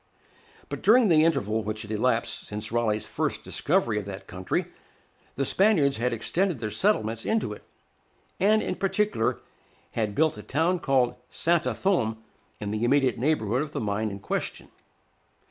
But during the interval which had elapsed since Raleigh's first discovery of that country, the Spaniards had extended their settlements into it, and in particular had built a town called Santa Thome in the immediate neighborhood of the mine in question.